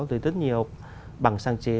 rồi rất nhiều bảng sáng chế